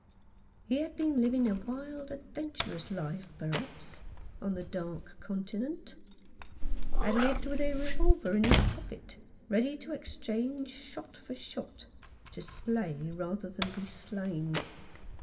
He had been living a wild, adventurous life, perhaps, on the Dark Continent ; had lived with a revolver in his pocket, ready to exchange shot for shot, to slay rather than be slain.